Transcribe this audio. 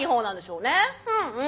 うんうん。